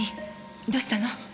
どうしたの？